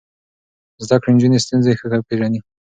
زده کړې نجونې ستونزې ښه پېژني.